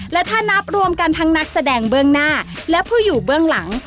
และถ้านับรวมกันทั้งนักแสดงเบื้องหน้าและผู้อยู่เบื้องหลัง